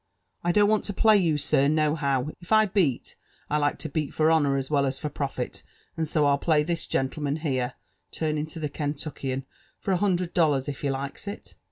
1 don't want to play you, sir, nohow; if I beat, I like to h^ for honour as well as for profit ; and so V\\ play lliit gentlenaa liere,'^ turidng to the K^dtuckiaA, '' for a hundred dollar^ if helikesit.'?